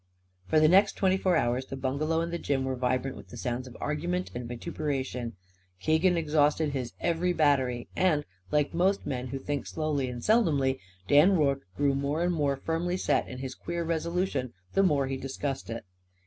For the next twenty four hours the bungalow and the gym were vibrant with the sounds of argument and vituperation. Keegan exhausted his every battery. And like most men who think slowly and seldom Dan Rorke grew more and more firmly set in his queer resolution, the more he discussed it.